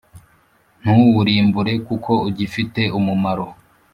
” Ntuwurimbure kuko ugifite umumaro